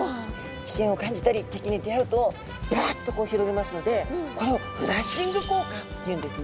危険を感じたり敵に出会うとバッとこう広げますのでこれをフラッシング効果っていうんですね。